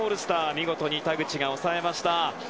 見事に田口が抑えました。